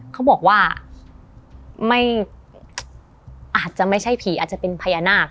เขาบอกว่าไม่อาจจะไม่ใช่ผีอาจจะเป็นพญานาค